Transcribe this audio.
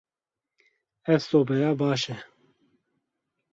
Ev sobeya baş e.